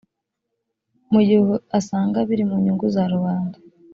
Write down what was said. mu gihe asanga biri mu nyungu za rubanda